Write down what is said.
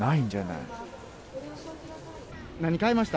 何買いました？